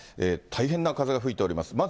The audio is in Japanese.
大変な風が吹いております。